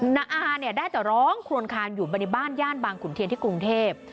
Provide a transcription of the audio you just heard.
นาอาได้แต่ร้องโครงคารอยู่บรรยาบ้านย่านบางขุนเทียนที่กรุงเทพฯ